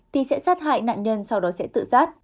thì sẽ sát hại nạn nhân sau đó sẽ tự sát